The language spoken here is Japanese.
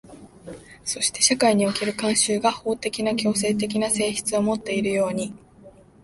そして社会における慣習が法的な強制的な性質をもっているように、